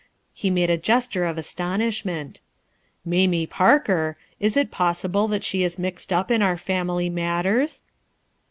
He made a gesture of astonishment. "Mamie Parker! Is it possible that the is mixed up in our family matters?"